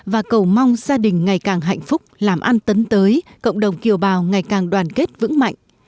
và cầu mong gia đình ngày càng hạnh phúc làm ăn tấn tới cộng đồng kiều bào ngày càng đoàn kết vững mạnh